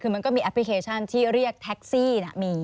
คือมันก็มีแอปพลิเคชันที่เรียกแท็กซี่มี